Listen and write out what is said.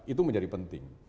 itu menjadi penting